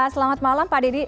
selamat malam pak deddy